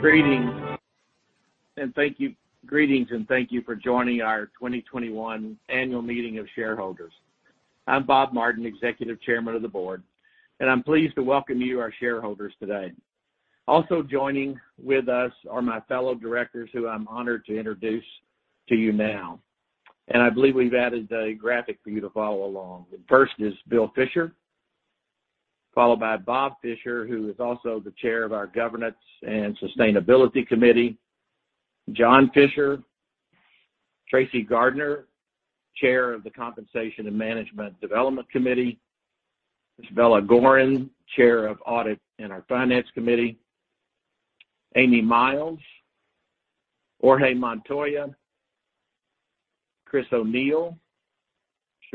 Greetings, thank you for joining our 2021 annual meeting of shareholders. I'm Bob Martin, Executive Chairman of the Board, and I'm pleased to welcome you, our shareholders, today. Also joining with us are my fellow directors, who I'm honored to introduce to you now. I believe we've added a graphic for you to follow along. First is Bill Fisher, followed by Bob Fisher, who is also the Chair of our Governance and Sustainability Committee, John Fisher, Tracy Gardner, Chair of the Compensation and Management Development Committee, Isabella Goren, Chair of Audit and our Finance Committee, Amy Miles, Jorge Montoya, Chris O'Neill,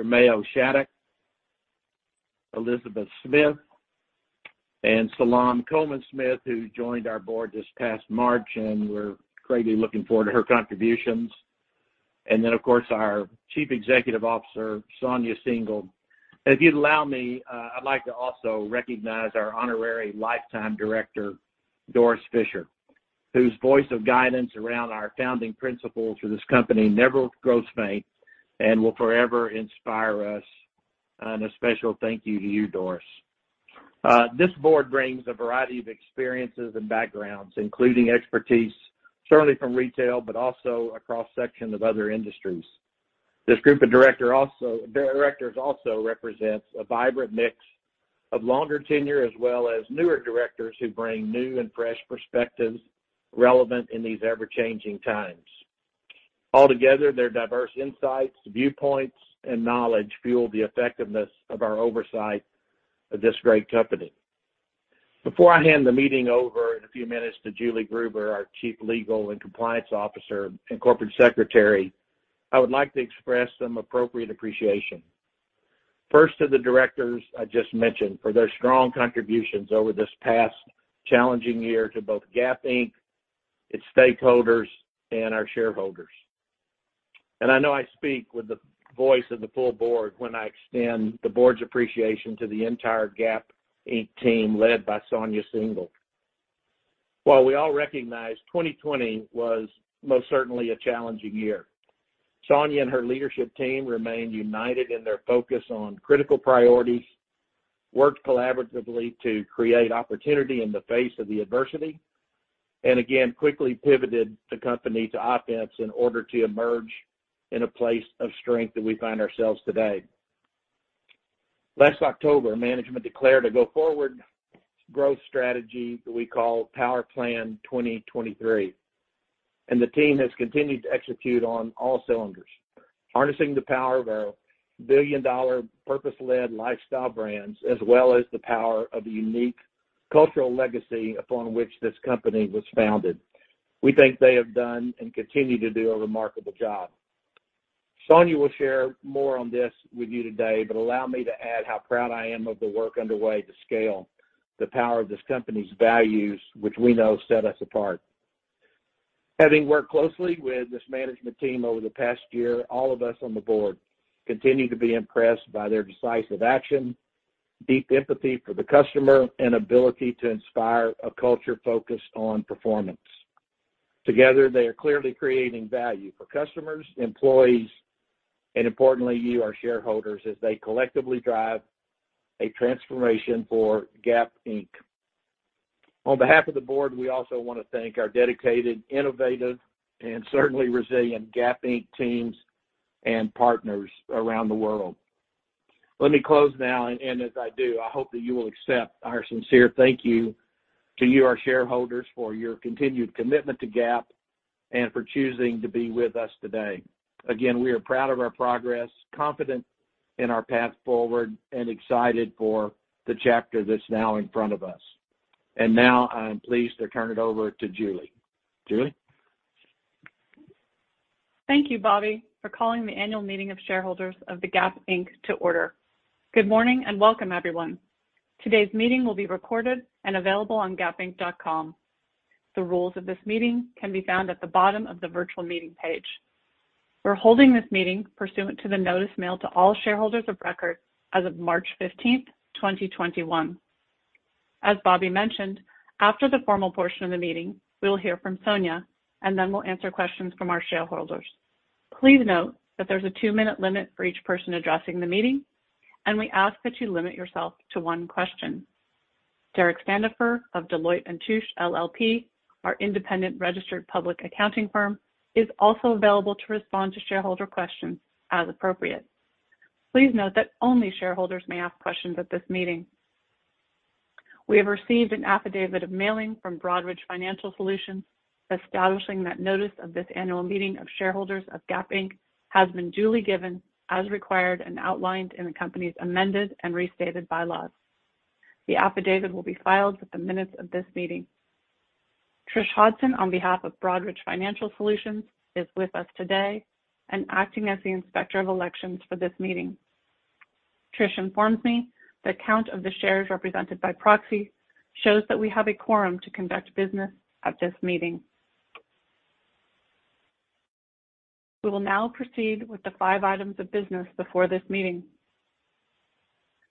Mayo Shattuck, Elizabeth Smith, and Salaam Coleman Smith, who joined our board this past March, and we're greatly looking forward to her contributions. Then, of course, our Chief Executive Officer, Sonia Syngal. If you'd allow me, I'd like to also recognize our honorary lifetime director, Doris Fisher, whose voice of guidance around our founding principles for this company never grows faint and will forever inspire us. A special thank you to you, Doris. This board brings a variety of experiences and backgrounds, including expertise certainly from retail, but also a cross-section of other industries. This group of directors also represents a vibrant mix of longer tenure, as well as newer directors who bring new and fresh perspectives relevant in these ever-changing times. Altogether, their diverse insights, viewpoints, and knowledge fuel the effectiveness of our oversight of this great company. Before I hand the meeting over in a few minutes to Julie Gruber, our Chief Legal and Compliance Officer and Corporate Secretary, I would like to express some appropriate appreciation. First to the directors I just mentioned for their strong contributions over this past challenging year to both Gap Inc, its stakeholders, and our shareholders. I know I speak with the voice of the full board when I extend the board's appreciation to the entire Gap Inc team led by Sonia Syngal. While we all recognize 2020 was most certainly a challenging year, Sonia and her leadership team remained united in their focus on critical priorities, worked collaboratively to create opportunity in the face of the adversity, and again, quickly pivoted the company to offense in order to emerge in a place of strength that we find ourselves today. Last October, management declared a go-forward growth strategy that we call Power Plan 2023, and the team has continued to execute on all cylinders, harnessing the power of our billion-dollar purpose-led lifestyle brands, as well as the power of the unique cultural legacy upon which this company was founded. We think they have done and continue to do a remarkable job. Sonia will share more on this with you today, but allow me to add how proud I am of the work underway to scale the power of this company's values, which we know set us apart. Having worked closely with this management team over the past year, all of us on the board continue to be impressed by their decisive action, deep empathy for the customer, and ability to inspire a culture focused on performance. Together, they are clearly creating value for customers, employees, and importantly, you, our shareholders, as they collectively drive a transformation for Gap Inc. On behalf of the board, we also want to thank our dedicated, innovative, and certainly resilient Gap Inc teams and partners around the world. Let me close now, and as I do, I hope that you will accept our sincere thank you to you, our shareholders, for your continued commitment to Gap and for choosing to be with us today. Again, we are proud of our progress, confident in our path forward, and excited for the chapter that's now in front of us. Now I am pleased to turn it over to Julie. Julie? Thank you, Bobby, for calling the annual meeting of shareholders of The Gap Inc to order. Good morning, and welcome, everyone. Today's meeting will be recorded and available on gapinc.com. The rules of this meeting can be found at the bottom of the virtual meeting page. We're holding this meeting pursuant to the notice mailed to all shareholders of record as of March 15th, 2021. As Bobby mentioned, after the formal portion of the meeting, we will hear from Sonia, and then we'll answer questions from our shareholders. Please note that there's a two-minute limit for each person addressing the meeting, and we ask that you limit yourself to one question. Derek Standifer of Deloitte & Touche LLP, our independent registered public accounting firm, is also available to respond to shareholder questions as appropriate. Please note that only shareholders may ask questions at this meeting. We have received an affidavit of mailing from Broadridge Financial Solutions establishing that notice of this annual meeting of shareholders of Gap Inc has been duly given, as required and outlined in the company's amended and restated bylaws. The affidavit will be filed with the minutes of this meeting. Trish Hudson, on behalf of Broadridge Financial Solutions, is with us today and acting as the Inspector of Elections for this meeting. Trish informs me the count of the shares represented by proxy shows that we have a quorum to conduct business at this meeting. We will now proceed with the five items of business before this meeting.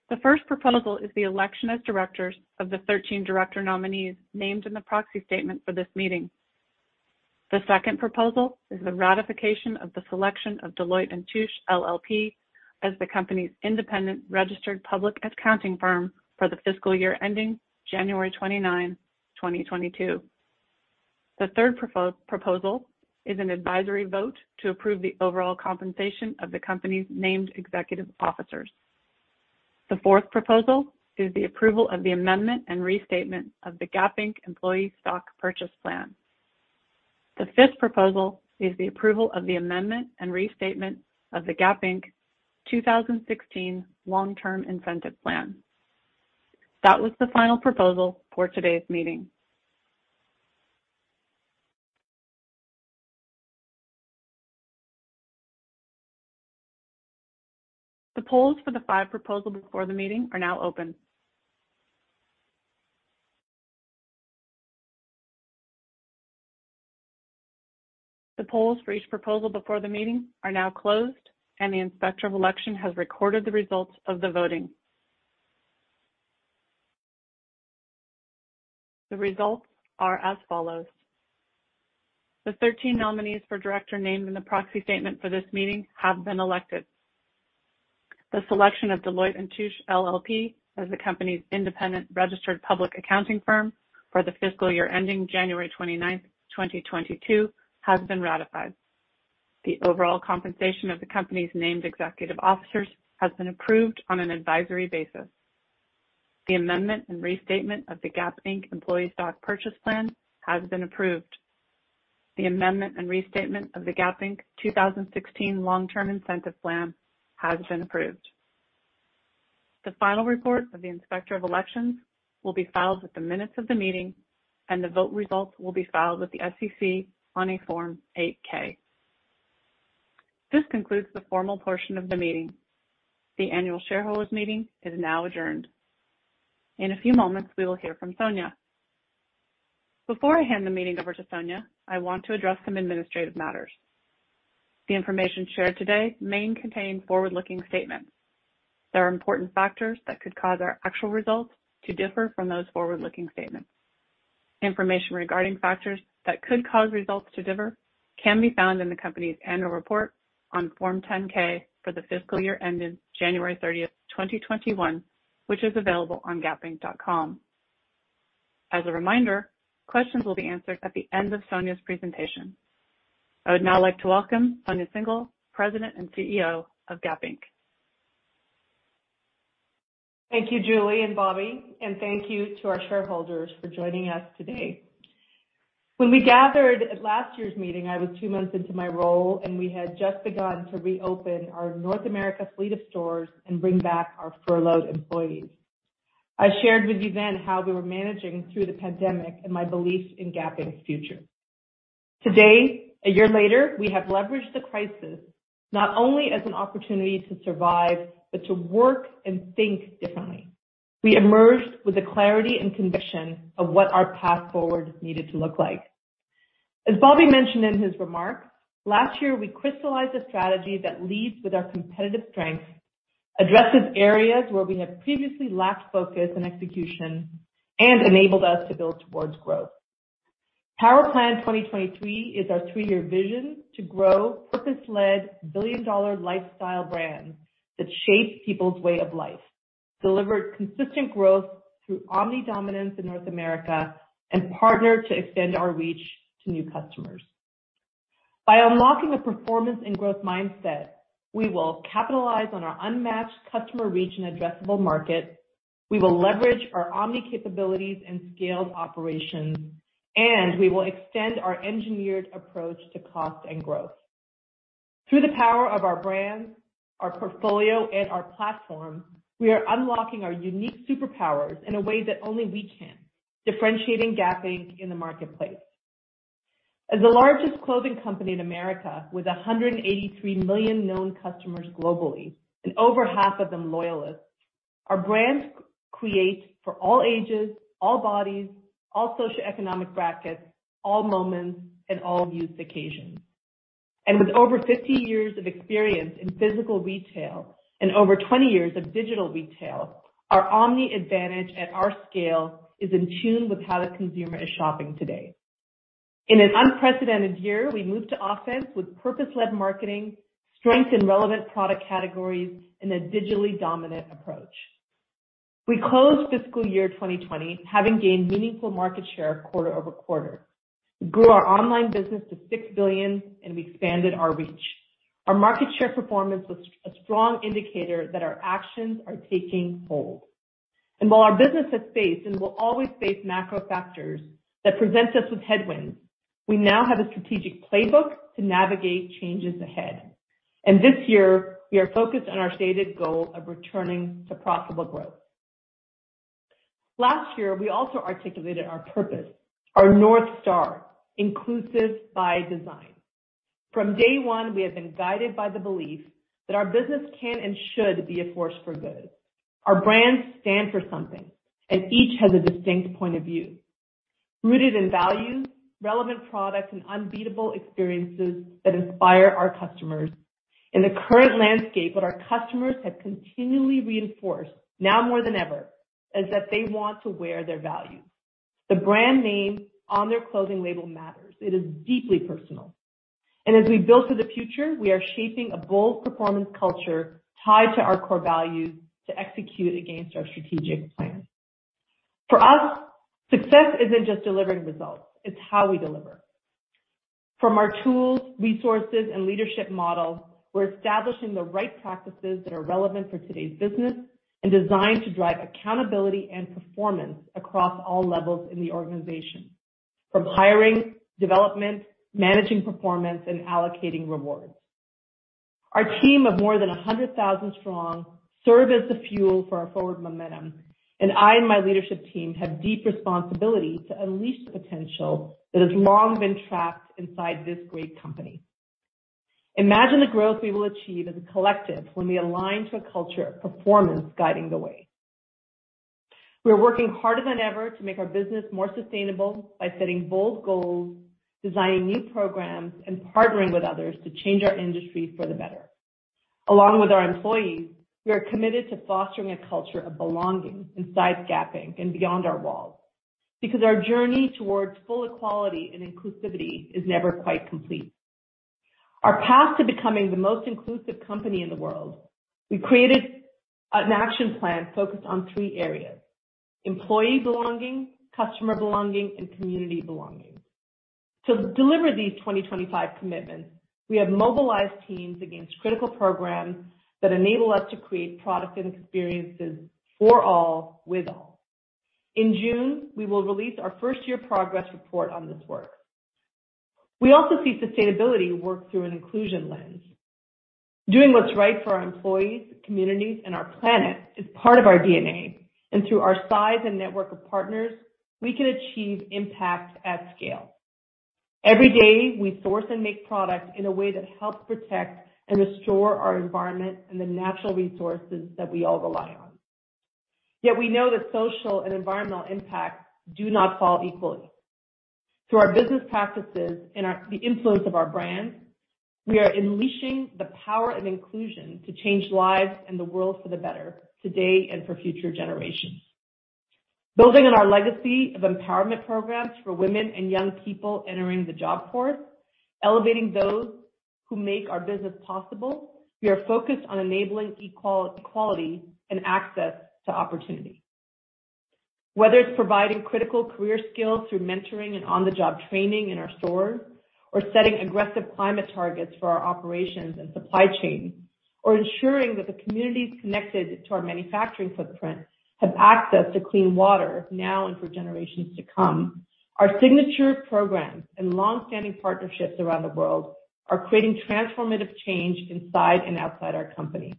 The first proposal is the election as directors of the 13 director nominees named in the proxy statement for this meeting. The second proposal is the ratification of the selection of Deloitte & Touche LLP as the company's independent registered public accounting firm for the fiscal year ending January 29, 2022. The third proposal is an advisory vote to approve the overall compensation of the company's named executive officers. The fourth proposal is the approval of the amendment and restatement of the Gap Inc Employee Stock Purchase Plan. The fifth proposal is the approval of the amendment and restatement of the Gap Inc 2016 Long-Term Incentive Plan. That was the final proposal for today's meeting. The polls for the five proposals before the meeting are now open. The polls for each proposal before the meeting are now closed, and the Inspector of Election has recorded the results of the voting. The results are as follows. The 13 nominees for director named in the proxy statement for this meeting have been elected. The selection of Deloitte & Touche LLP as the company's independent registered public accounting firm for the fiscal year ending January 29th, 2022, has been ratified. The overall compensation of the company's named executive officers has been approved on an advisory basis. The amendment and restatement of the Gap Inc Employee Stock Purchase Plan has been approved. The amendment and restatement of the Gap Inc 2016 Long-Term Incentive Plan has been approved. The final report of the Inspector of Elections will be filed with the minutes of the meeting, and the vote results will be filed with the SEC on a Form 8-K. This concludes the formal portion of the meeting. The annual shareholders meeting is now adjourned. In a few moments, we will hear from Sonia. Before I hand the meeting over to Sonia, I want to address some administrative matters. The information shared today may contain forward-looking statements. There are important factors that could cause our actual results to differ from those forward-looking statements. Information regarding factors that could cause results to differ can be found in the company's annual report on Form 10-K for the fiscal year ended January 30th, 2021, which is available on gapinc.com. As a reminder, questions will be answered at the end of Sonia's presentation. I would now like to welcome Sonia Syngal, President and CEO of Gap Inc. Thank you, Julie and Bobby, and thank you to our shareholders for joining us today. When we gathered at last year's meeting, I was two months into my role, and we had just begun to reopen our North America fleet of stores and bring back our furloughed employees. I shared with you then how we were managing through the pandemic and my beliefs in Gap Inc's future. Today, a year later, we have leveraged the crisis not only as an opportunity to survive, but to work and think differently. We emerged with a clarity and conviction of what our path forward needed to look like. As Bobby mentioned in his remarks, last year, we crystallized a strategy that leads with our competitive strengths, addresses areas where we have previously lacked focus and execution, and enabled us to build towards growth. Power Plan 2023 is our three-year vision to grow purpose-led billion-dollar lifestyle brands that shape people's way of life, deliver consistent growth through omni dominance in North America, and partner to extend our reach to new customers. By unlocking a performance and growth mindset, we will capitalize on our unmatched customer reach and addressable market, we will leverage our omni capabilities and scaled operations, and we will extend our engineered approach to cost and growth. Through the power of our brands, our portfolio, and our platform, we are unlocking our unique superpowers in a way that only we can, differentiating Gap Inc in the marketplace. As the largest clothing company in America with 183 million known customers globally, and over half of them loyalists, our brands create for all ages, all bodies, all socioeconomic brackets, all moments, and all use occasions. With over 50 years of experience in physical retail and over 20 years of digital retail, our omni advantage at our scale is in tune with how the consumer is shopping today. In an unprecedented year, we moved to offense with purpose-led marketing, strength in relevant product categories, and a digitally dominant approach. We closed fiscal year 2020 having gained meaningful market share quarter-over-quarter. We grew our online business to $6 billion, and we expanded our reach. Our market share performance was a strong indicator that our actions are taking hold. While our business has faced and will always face macro factors that present us with headwinds, we now have a strategic playbook to navigate changes ahead. This year, we are focused on our stated goal of returning to profitable growth. Last year, we also articulated our purpose, our North Star Inclusive, by Design. From day one, we have been guided by the belief that our business can and should be a force for good. Our brands stand for something, and each has a distinct point of view, rooted in values, relevant products, and unbeatable experiences that inspire our customers. In the current landscape, what our customers have continually reinforced, now more than ever, is that they want to wear their values. The brand name on their clothing label matters. It is deeply personal. As we build for the future, we are shaping a bold performance culture tied to our core values to execute against our strategic plan. For us, success isn't just delivering results, it's how we deliver. From our tools, resources, and leadership models, we're establishing the right practices that are relevant for today's business and designed to drive accountability and performance across all levels in the organization, from hiring, development, managing performance, and allocating rewards. Our team of more than 100,000 strong serve as the fuel for our forward momentum, and I and my leadership team have deep responsibility to unleash the potential that has long been trapped inside this great company. Imagine the growth we will achieve as a collective when we align to a culture of performance guiding the way. We are working harder than ever to make our business more sustainable by setting bold goals, designing new programs, and partnering with others to change our industry for the better. Along with our employees, we are committed to fostering a culture of belonging inside Gap Inc. Beyond our walls, because our journey towards full equality and inclusivity is never quite complete. Our path to becoming the most inclusive company in the world, we created an action plan focused on three areas, employee belonging, customer belonging, and community belonging. To deliver these 2025 commitments, we have mobilized teams against critical programs that enable us to create products and experiences for all, with all. In June, we will release our first-year progress report on this work. We also see sustainability work through an inclusion lens. Doing what's right for our employees, communities, and our planet is part of our DNA, and through our size and network of partners, we can achieve impact at scale. Every day, we source and make products in a way that helps protect and restore our environment and the natural resources that we all rely on. Yet we know that social and environmental impacts do not fall equally. Through our business practices and the influence of our brands, we are unleashing the power of inclusion to change lives and the world for the better, today and for future generations. Building on our legacy of empowerment programs for women and young people entering the job force, elevating those who make our business possible, we are focused on enabling equality and access to opportunity. Whether it's providing critical career skills through mentoring and on-the-job training in our stores, or setting aggressive climate targets for our operations and supply chain, or ensuring that the communities connected to our manufacturing footprint have access to clean water now and for generations to come, our signature programs and long-standing partnerships around the world are creating transformative change inside and outside our company.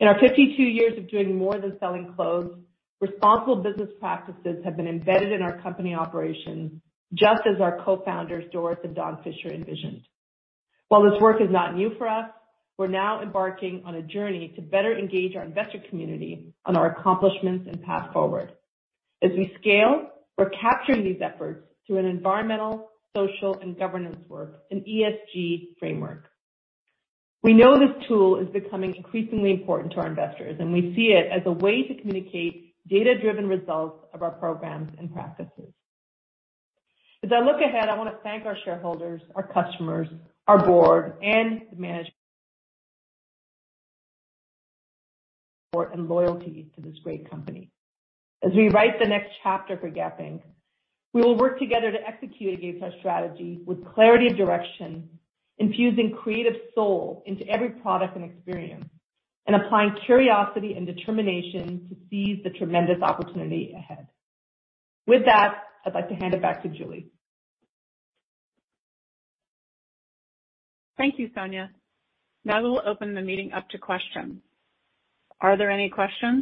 In our 52 years of doing more than selling clothes, responsible business practices have been embedded in our company operations, just as our co-founders, Doris and Don Fisher, envisioned. While this work is not new for us, we're now embarking on a journey to better engage our investor community on our accomplishments and path forward. As we scale, we're capturing these efforts through an environmental, social, and governance work in ESG framework. We know this tool is becoming increasingly important to our investors, and we see it as a way to communicate data-driven results of our programs and practices. As I look ahead, I want to thank our shareholders, our customers, our board, and the management support and loyalty to this great company. As we write the next chapter for Gap Inc, we will work together to execute against our strategy with clarity of direction, infusing creative soul into every product and experience, and applying curiosity and determination to seize the tremendous opportunity ahead. With that, I'd like to hand it back to Julie. Thank you, Sonia. Now we will open the meeting up to questions. Are there any questions?